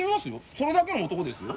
それだけの男ですよ